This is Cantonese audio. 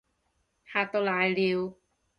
嚇到瀨尿